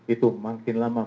itu makin lama